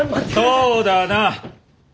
そうだな！